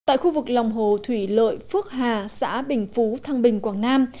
tại khu vực lòng hồ thủy lợi phước hà xã bình phú thăng bình quảng nam